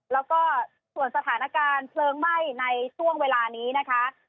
แล้วก็ส่วนสถานการณ์เพลิงไหม้ในช่วงเวลานี้นะคะ